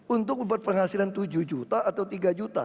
untuk membuat penghasilan tujuh juta atau tiga juta